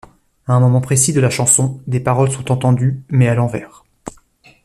À un moment précis de la chanson, des paroles sont entendues, mais à l'envers.